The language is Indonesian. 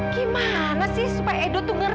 gimana sih supaya edo tuh ngeri